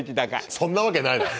そんなわけないだろ。